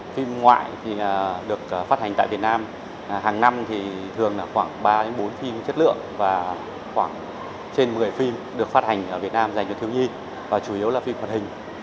phim ngoại thì được phát hành tại việt nam hàng năm thì thường là khoảng ba bốn phim chất lượng và khoảng trên một mươi phim được phát hành ở việt nam dành cho thiếu nhi và chủ yếu là phim hoạt hình